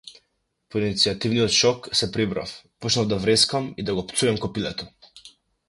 По иницијалниот шок, се прибрав, почнав да врескам и да го пцујам копилето.